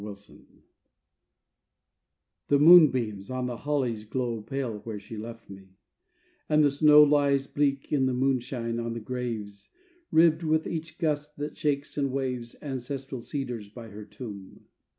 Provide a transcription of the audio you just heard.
GLORAMONE The moonbeams on the hollies glow Pale where she left me; and the snow Lies bleak in moonshine on the graves, Ribbed with each gust that shakes and waves Ancestral cedars by her tomb....